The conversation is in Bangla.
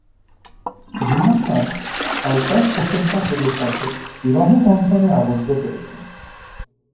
রিনা খান আলতাফ হোসেন কাজলের সাথে বিবাহবন্ধনে আবদ্ধ হয়েছেন।